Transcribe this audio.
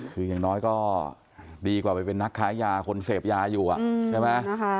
คืออย่างน้อยก็ดีกว่าไปเป็นนักค้ายาคนเสพยาอยู่ใช่ไหม